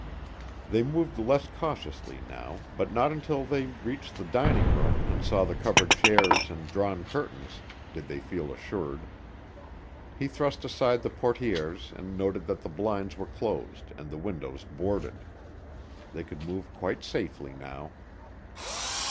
They moved less cautiously now, but not until they reached the dining room and saw the covered chairs and drawn curtains did they feel fully assured. He thrust aside the portières and noted that the blinds were closed and the windows boarded. They could move quite safely now.